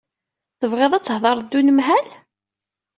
Tebɣiḍ ad thedreḍ d unemhal?